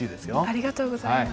ありがとうございます。